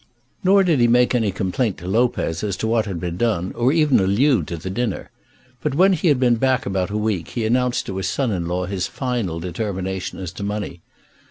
Nor did he make any complaint to Lopez as to what had been done, or even allude to the dinner. But when he had been back about a week he announced to his son in law his final determination as to money.